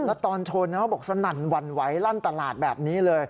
แล้วตอนชนเขาบอกสนั่นหวั่นไหวลั่นตลาดแบบนี้เลย